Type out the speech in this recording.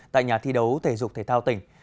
tại nhà thi đấu thể dục thể thao tỉnh